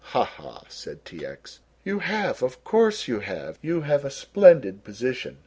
"Ha, ha!" said T. X. "You have, of course you have! You have a splendid position.